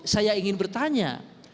saya ingin bertanya